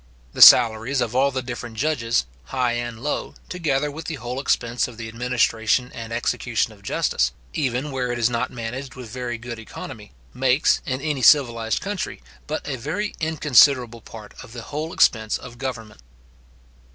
The salaries of all the different judges, high and low, together with the whole expense of the administration and execution of justice, even where it is not managed with very good economy, makes, in any civilized country, but a very inconsiderable part of the whole expense of government.